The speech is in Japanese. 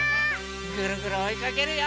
ぐるぐるおいかけるよ！